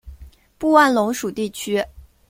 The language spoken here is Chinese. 布万龙属地区。